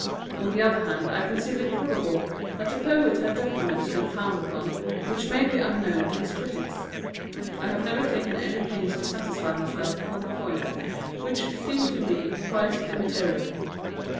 On the other hand, I conceive it probable that the poet had documents to found upon, which may be unknown to his critics. I have never taken any pains to satisfy myself upon the point, which seems to me quite immaterial.